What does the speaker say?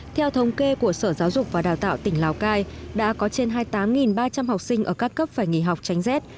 theo thống kê của sở giáo dục và đào tạo tỉnh lào cai đã có trên hai mươi tám ba trăm linh học sinh ở các cấp phải nghỉ học tránh rét